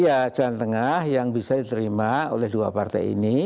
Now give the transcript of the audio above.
iya jalan tengah yang bisa diterima oleh dua partai ini